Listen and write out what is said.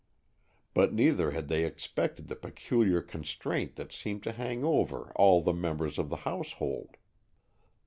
But neither had they expected the peculiar constraint that seemed to hang over all the members of the household.